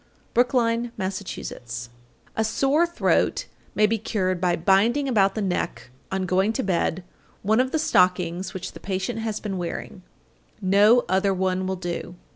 Brookline, Mass. 869. A sore throat may be cured by binding about the neck on going to bed one of the stockings which the patient has been wearing (no other one will do).